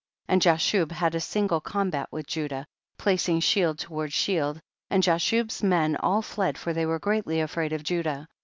37. And Jashub had a single com bat with Judah, placing shield toward shield, and Jashub's men all fled, for they were greatly afraid of Judah.